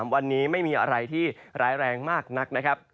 วันนี้ไม่มีอะไรที่ร้ายแรงมากนักนะครับ